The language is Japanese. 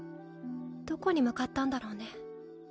どこに向かったんだろうね？